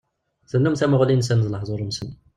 Tennum tamuɣli-nsen d lehdur-nsen.